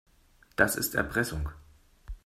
Das ist Erpressung.